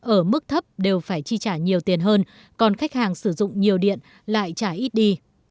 ở mức thấp đều phải chi trả nhiều tiền hơn còn khách hàng sử dụng nhiều điện lại trả ít đi